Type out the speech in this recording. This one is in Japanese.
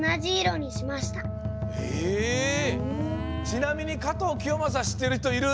ちなみに加藤清正しってるひといる？